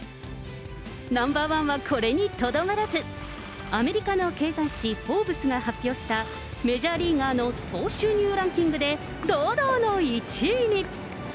ナンバー１はこれにとどまらず、アメリカの経済誌、フォーブスが発表したメジャーリーガーの総収入ランキングで堂々の１位に。